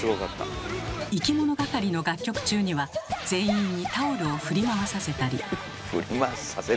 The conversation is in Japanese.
いきものがかりの楽曲中には全員にタオルを振り回させたり。